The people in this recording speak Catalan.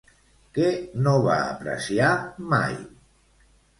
Què no va apreciar mai?